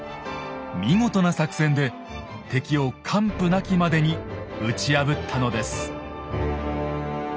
見事な作戦で敵を完膚なきまでに打ち破ったのです。